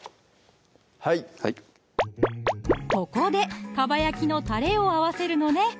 はいはいここでかばやきのたれを合わせるのね